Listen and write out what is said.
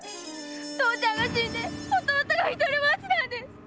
父ちゃんが死んで弟が独りぼっちなんです！